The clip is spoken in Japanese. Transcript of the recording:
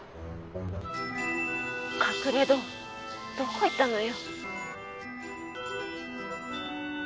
隠戸どこ行ったのよ。